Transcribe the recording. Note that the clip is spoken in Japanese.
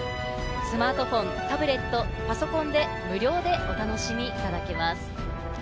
スマートフォン、タブレット、パソコンでも無料でお楽しみいただけます。